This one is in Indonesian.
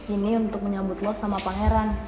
ini untuk menyambut luas sama pangeran